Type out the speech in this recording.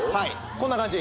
こんな感じ